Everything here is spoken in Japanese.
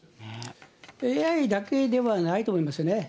ＡＩだけではないと思いますね。